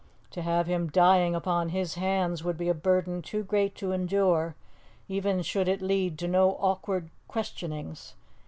To have him dying upon his hands would be a burden too great to endure, even should it lead to no awkward questionings.